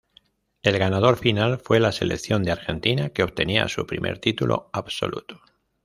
El ganador final fue la selección de Argentina, que obtenía su primer título absoluto.